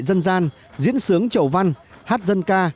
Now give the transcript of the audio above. dân gian diễn sướng chầu văn hát dân ca